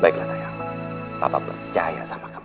baiklah sayang papa percaya sama kamu